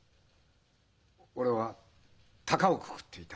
俺はたかをくくっていた。